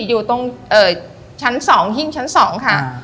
อยู่ตรงเอ่อชั้นสองชั้นสองค่ะอ่า